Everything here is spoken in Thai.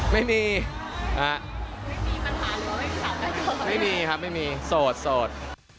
ไม่มีครับไม่มีโสด